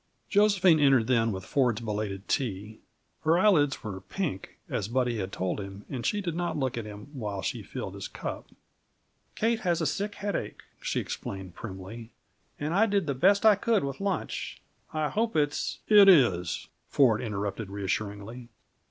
Josephine entered then with Ford's belated tea. Her eyelids were pink, as Buddy had told him, and she did not look at him while she filled his cup. "Kate has a sick headache," she explained primly, "and I did the best I could with lunch. I hope it's " "It is," Ford interrupted reassuringly.